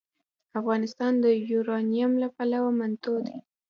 افغانستان د یورانیم له پلوه متنوع دی.